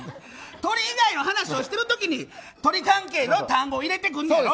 鳥以外の話をしている時に鳥関係の単語を入れてくるんやろ。